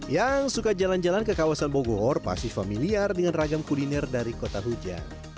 yang suka jalan jalan ke kawasan bogor pasti familiar dengan ragam kuliner dari kota hujan